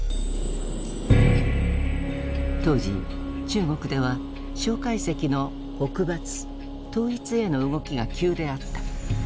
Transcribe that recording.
当時中国では蒋介石の北伐統一への動きが急であった。